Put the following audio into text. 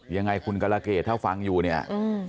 ยังไงคุณกรเกตถ้าฟังอยู่เนี่ย